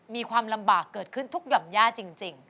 มีความลำบากเกิดขึ้นทุกหย่อมย่าจริง